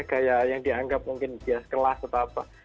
gaya yang dianggap mungkin bias kelas atau apa